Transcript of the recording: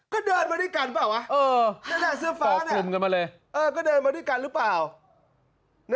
ก็เดินมาด้วยกันเปล่าวะ